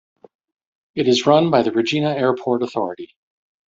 It is run by the Regina Airport Authority.